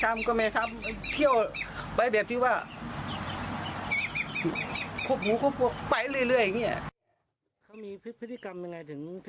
ตาไม่สงสารหลานค่ะ